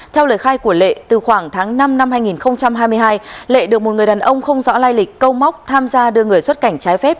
theo lời khai của lệ từ khoảng tháng năm năm hai nghìn hai mươi hai lệ được một người đàn ông không rõ lai lịch câu móc tham gia đưa người xuất cảnh trái phép